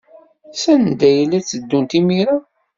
Sanda ay la tteddunt imir-a?